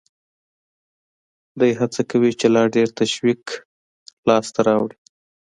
دی هڅه کوي چې لا ډېر تشویق لاس ته راوړي